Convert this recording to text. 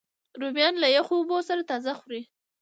رومیان له یخو اوبو سره تازه خوري